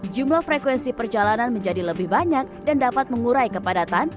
jumlah frekuensi perjalanan menjadi lebih banyak dan dapat mengurai kepadatan